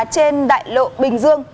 trên đại lộ bình dương